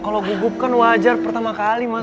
kalau gugup kan wajar pertama kali mas